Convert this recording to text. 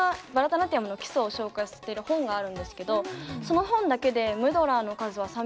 ナティヤムの基礎を紹介してる本があるんですけどその本だけでムドラーの数は３００種類あって。